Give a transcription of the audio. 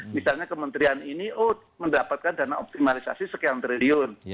misalnya kementerian ini oh mendapatkan dana optimalisasi sekian triliun